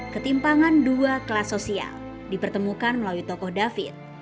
ketimpangan dua kelas sosial dipertemukan melalui tokoh david